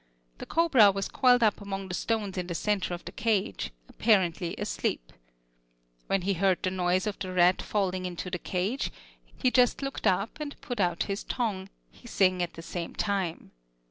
The cobra was coiled up among the stones in the centre of the cage, apparently asleep. When he heard the noise of the rat falling into the cage, he just looked up and put out his tongue, hissing at the same time.